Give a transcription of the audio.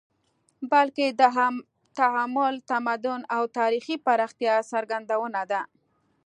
بلکې د تعامل، تمدن او تاریخي پراختیا څرګندونه ده